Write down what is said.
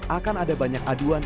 akan ada banyak aduan